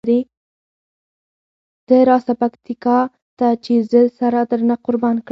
ته راسه پکتیکا ته چې زه سره درنه قربانه کړم.